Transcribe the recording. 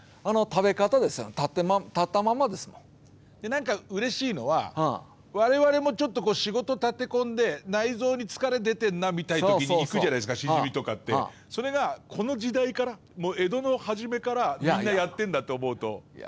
なんか、うれしいのは我々も、ちょっと仕事立て込んで内臓に疲れ出てんなみたいな時にいくじゃないですかしじみとかって、それがこの時代から、江戸の初めからみんなやってんだって思うと。